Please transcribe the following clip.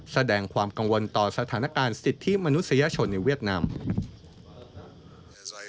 แสดงความกังวลต่อสถานการณ์สิทธิมนุษยชนในเวียดนาม